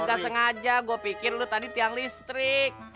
gak sengaja gue pikir lu tadi tiang listrik